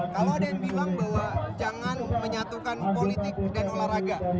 kalau ada yang bilang bahwa jangan menyatukan politik dan olahraga